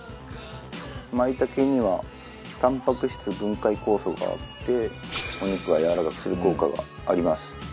まいたけにはたんぱく質分解酵素があってお肉をやわらかくする効果があります。